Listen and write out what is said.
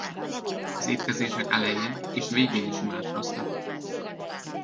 Az étkezések elején és végén is imádkoztak.